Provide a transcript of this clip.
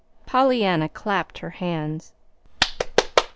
Pollyanna clapped her hands.